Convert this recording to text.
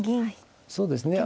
そうですね